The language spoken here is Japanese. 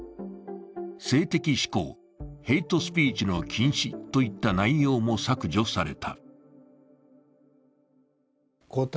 性的指向、ヘイトスピーチの禁止といった内容も削除された。